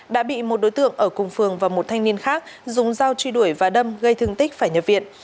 đã bị một đối tượng ở cùng phường và một thanh niên khác dùng dao truy đuổi và đâm gây thương tích phải nhập viện